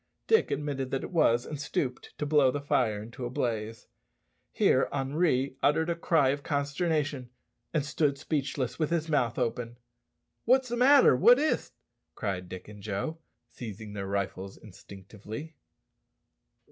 Dick admitted that it was, and stooped to blow the fire into a blaze. Here Henri uttered a cry of consternation, and stood speechless, with his mouth open. "What's the matter? what is't?" cried Dick and Joe, seizing their rifles instinctively.